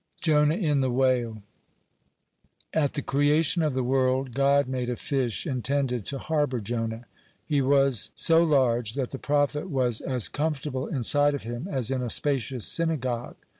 (30) JONAH IN THE WHALE At the creation of the world, God made a fish intended to harbor Jonah. He as so large that the prophet was as comfortable inside of him as in a spacious synagogue.